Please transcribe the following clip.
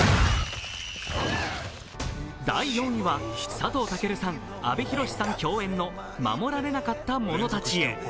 佐藤健さん、阿部寛さん共演の「護られなかった者たちへ」。